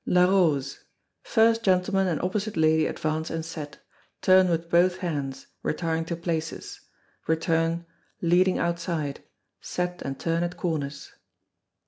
LaRose. First gentleman and opposite lady advance and set turn with both hands, retiring to places return, leading outside set and turn at corners.